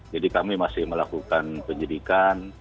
jadi kami masih melakukan penyelidikan